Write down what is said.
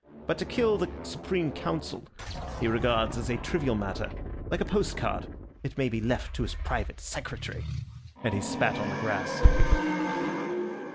But to kill the Supreme Council he regards as a trivial matter, like a post card; it may be left to his private secretary," and he spat on the grass.